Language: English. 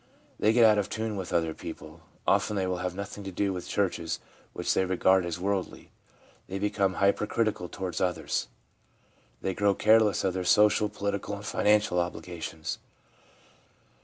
They get out of tune with other people ; often they will have nothing to do with churches, which they regard as worldly ; they become hyper critical toward others ; they grow careless of their social, political and financial obligations.